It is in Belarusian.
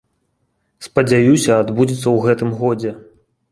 Спадзяюся, адбудзецца ў гэтым годзе.